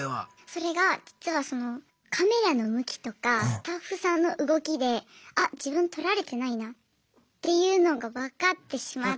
それが実はカメラの向きとかスタッフさんの動きであ自分撮られてないなっていうのが分かってしまって。